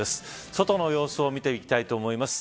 外の様子を見ていきたいと思います。